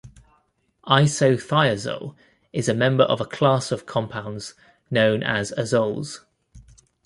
Isothiazole is a member of a class of compounds known as azoles.